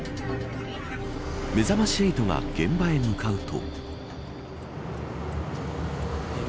めざまし８が現場へ向かうと。